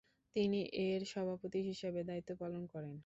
তিনি এর সভাপতি হিসাবে দায়িত্ব পালন করেন।